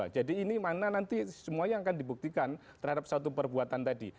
jadi ini mana nanti semuanya akan dibuktikan terhadap satu perbuatan tadi